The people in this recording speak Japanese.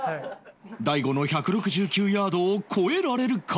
大悟の１６９ヤードを超えられるか？